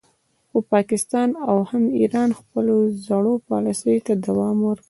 خو پاکستان او هم ایران خپلو زړو پالیسیو ته دوام ورکړ